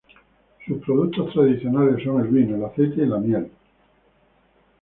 Sus productos tradicionales son el vino, el aceite y la miel.